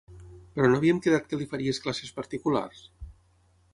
Però no havíem quedat que li faries classes particulars?